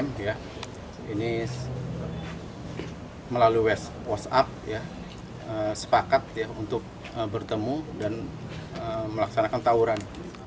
ini melalui whatsapp sepakat untuk bertemu dan melaksanakan tawuran